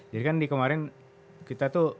jadi kan di kemarin kita tuh